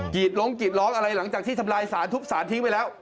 ร้องกรีดร้องอะไรหลังจากที่ทำลายสารทุบสารทิ้งไปแล้ว